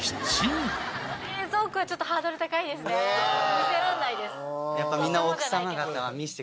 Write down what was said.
見せらんないです。